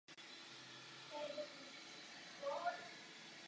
Celkově nebyly hlášeny žádné oběti či škody.